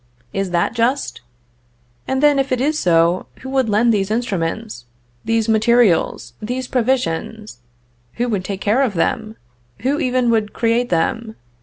Is that just? And then, if it is so, who would lend these instruments, these materials, these provisions? who would take care of them? who even would create them?